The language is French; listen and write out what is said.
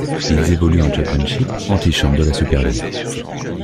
Ils évoluent en Championship, anti-chambre de la Super League.